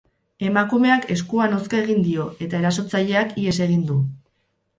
Emakumeak eskuan hozka egin dio, eta erasotzaileak ihes egin du.